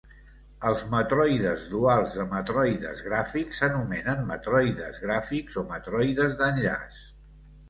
Els matroides duals de matroides gràfics s'anomenen matroides gràfics o matroides d'enllaç.